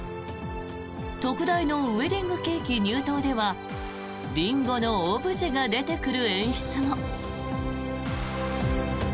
特大のウェディングケーキ入刀ではリンゴのオブジェが出てくる演出も。